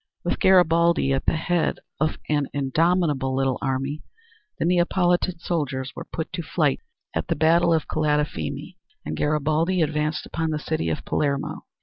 With Garibaldi at the head of an indomitable little army, the Neapolitan soldiers were put to flight at the battle of Calatafimi and Garibaldi advanced upon the city of Palermo.